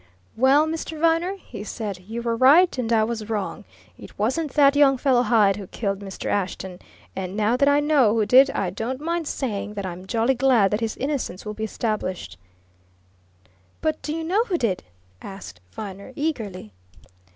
"Well, Mr. Viner!" he said. "You were right, and I was wrong. It wasn't that young fellow Hyde who killed Mr. Ashton. And now that I know who did, I don't mind saying that I'm jolly glad that his innocence will be established." "But do you know who did?" asked Viner eagerly.